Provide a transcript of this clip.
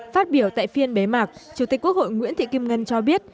phát biểu tại phiên bế mạc chủ tịch quốc hội nguyễn thị kim ngân cho biết